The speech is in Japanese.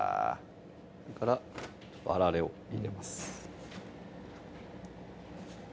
それからあられを入れます